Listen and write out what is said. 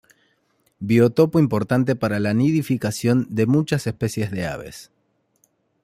Biotopo importante para la nidificación de muchas especies de aves.